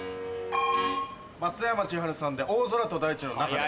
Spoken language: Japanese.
松山千春さんで『大空と大地の中で』。